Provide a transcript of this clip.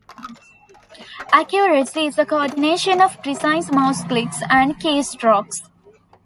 Accuracy is the coordination of precise mouse clicks and keystrokes.